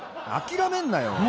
あきらめんなよ！